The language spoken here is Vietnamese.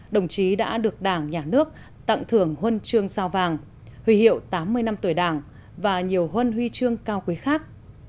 đồng chí đã được đảng nhà nước tặng thưởng huân chương sao vàng huy hiệu tám mươi năm tuổi đảng và nhiều huân huy chương cao quý khác